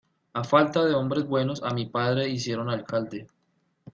A falta de hombres buenos, a mi padre hicieron alcalde.